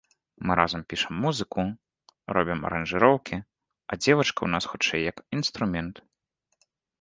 Мы разам пішам музыку, робім аранжыроўкі, а дзевачка ў нас хутчэй як інструмент.